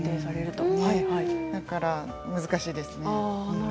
だから難しいですね。